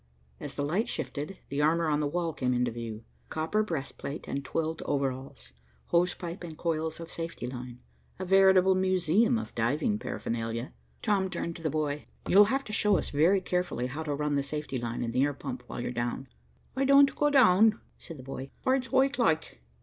As the light shifted, the armor on the wall came into view; copper breastplate and twilled overalls, hosepipe and coils of safety line; a veritable museum of diving paraphernalia. Tom turned to the boy. "You'll have to show us very carefully how to run the safety line and the air pump, while you're down." "I don't go down," said the boy. "Heart's wike loike.